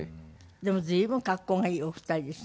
でも随分格好がいいお二人ですね。